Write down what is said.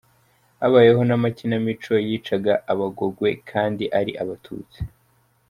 Habayeho n’amakinamico yicaga abagogwe, kandi ari abatutsi.